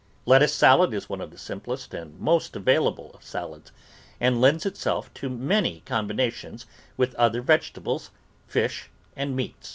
Lettuce salad is one of the simplest and most available of salads, and lends itself to many com binations with other vegetables, fish, and meats.